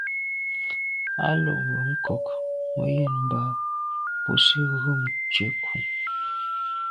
A lo mbe nkôg me yen mba busi ghom tshetku.